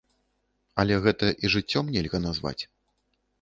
Але гэта і жыццём нельга назваць.